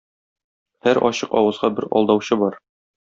Һәр ачык авызга бер алдаучы бар.